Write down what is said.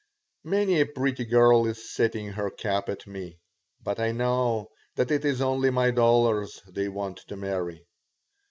Many a pretty girl is setting her cap at me, but I know that it is only my dollars they want to marry.